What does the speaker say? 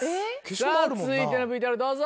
さぁ続いての ＶＴＲ どうぞ。